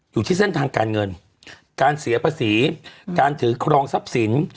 อยู่ที่เส้นทางการเงินการเสียภาษีการถือครองทรัพย์สิน